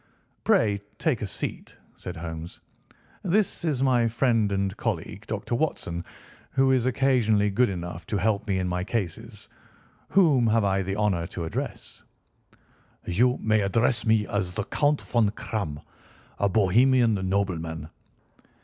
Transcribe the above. "Pray take a seat," said Holmes. "This is my friend and colleague, Dr. Watson, who is occasionally good enough to help me in my cases. Whom have I the honour to address?" "You may address me as the Count Von Kramm, a Bohemian nobleman.